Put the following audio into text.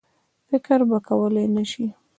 فکر به کولای نه سي.